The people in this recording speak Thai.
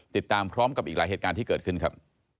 ติดตามพร้อมกับอีกหลายเหตุการณ์ที่เกิดขึ้นครับ